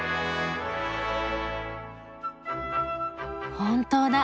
本当だ。